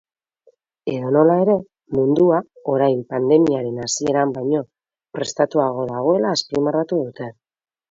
Edonola ere, mundua orain pandemiaren hasieran baino prestatuago dagoela azpimarratu dute.